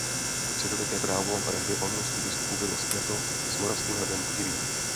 Středověké právo ražby olomouckých biskupů bylo spjato s moravským hradem Podivín.